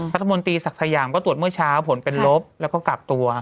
รัฐมนตรีศักดิ์สยามก็ตรวจเมื่อเช้าผลเป็นลบแล้วก็กลับตัว